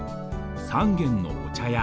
三軒のお茶屋。